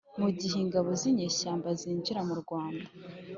mu gihe ingabo z'inyeshyamba zinjiraga mu rwanda,